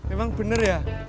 emang benar ya